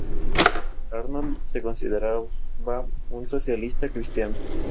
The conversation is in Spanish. Arnold se consideraba un "socialista cristiano".